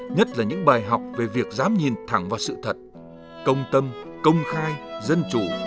nhất là những bài học về việc dám nhìn thẳng vào sự thật công tâm công khai dân chủ